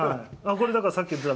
これ、だから、さっき言ってた。